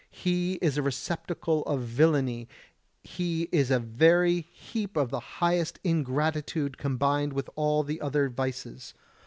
He is a receptacle of villainy, he is a very heap of the highest ingratitude combined with all the other vices.